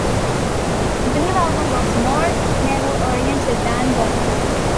The new album was more metal oriented than "Golem".